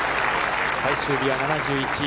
最終日は７１。